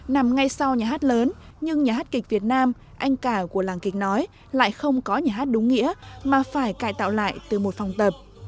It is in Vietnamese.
nằm ngay sau nhà hát lớn nhưng nhà hát kịch việt nam anh cả của làng kịch nói lại không có nhà hát đúng nghĩa mà phải cải tạo lại từ một phòng tập